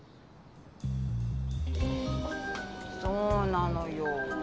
そうなのよ。